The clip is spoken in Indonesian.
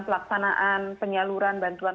pelaksanaan penyaluran bantuan